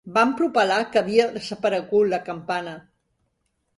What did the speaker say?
Van propalar que havia desaparegut la campana.